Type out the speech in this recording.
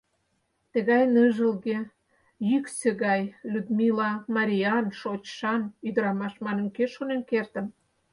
Тыгай ныжылге, йӱксӧ гай Людмила мариян, шочшан ӱдырамаш манын, кӧ шонен кертын?